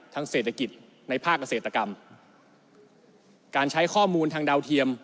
เศรษฐกิจในภาคเกษตรกรรมการใช้ข้อมูลทางดาวเทียม